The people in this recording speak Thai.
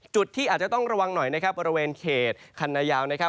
จุดที่อาจจะต้องระวังหน่อยนะครับบริเวณเขตคันนายาวนะครับ